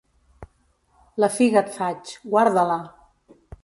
La figa et faig; guarda-la!